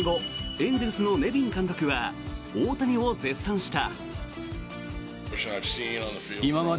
エンゼルスのネビン監督は大谷を絶賛した。